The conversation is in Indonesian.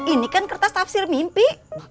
ini kan kertas tafsir mimpi